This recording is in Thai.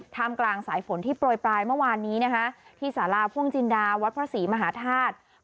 ท่ามกลางสายฝนที่โปรยปลายเมื่อวานนี้นะคะที่สาราพ่วงจินดาวัดพระศรีมหาธาตุ